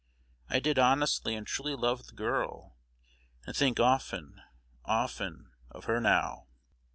I did honestly and truly love the girl, and think often, often, of her now.'"